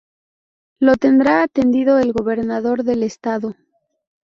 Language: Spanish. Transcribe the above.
Lo tendrá atendido el Gobernador del Estado.